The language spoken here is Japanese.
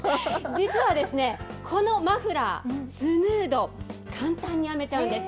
実はですね、このマフラー、スヌード、簡単に編めちゃうんです。